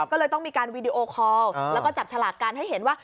ก็เลยต้องมีการวีดีโอคอลแล้วก็จับฉลากกันให้เห็นว่า